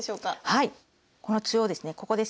はい。